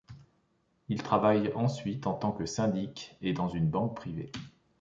Il travaille ensuite en tant que syndic et dans une banque privée.